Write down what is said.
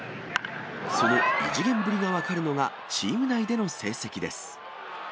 その異次元ぶりが分かるのが、チーム内での成績です。